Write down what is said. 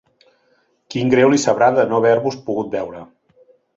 Quin greu li sabrà de no haver-vos pogut veure!